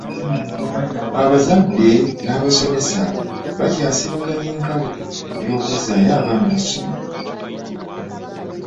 Abazadde n'abasomesa bakyasibaganye enkalu ku by'okuzzaayo abaana ku masomero.